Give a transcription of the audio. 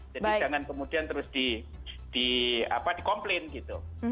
jadi jangan kemudian terus di komplain gitu